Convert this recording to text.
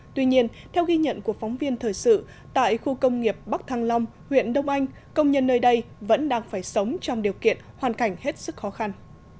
tuy nhiên theo ghi nhận của phóng viên thời sự tại khu công nghiệp bắc thăng long huyện đông anh công nhân nơi đây vẫn đang phải sống trong điều kiện hoàn cảnh hết sức khó khăn